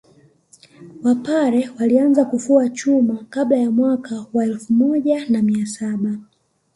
Wapare walianza kufua chuma kabla ya mwaka wa elfu moja na mia saba